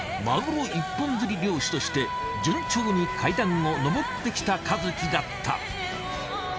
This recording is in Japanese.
マグロ一本釣り漁師として順調に階段を上ってきた和喜だった。